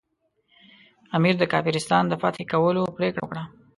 امیر د کافرستان د فتح کولو پرېکړه وکړه.